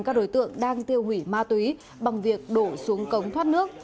các đối tượng đang tiêu hủy ma túy bằng việc đổ xuống cống thoát nước